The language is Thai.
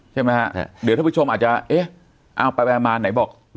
ใช่ไหมฮะเดี๋ยวท่านผู้ชมอาจจะเอ๊ะเอาไปมาไหนบอก